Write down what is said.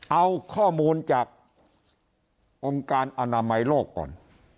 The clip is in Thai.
เอาข้อมูลจากองค์การอนามัยโลกก่อน